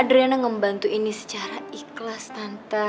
jadi adriana ngebantu ini secara ikhlas tante